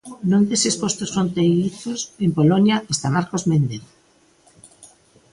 Nun deses postos fronteirizos en Polonia está Marcos Méndez.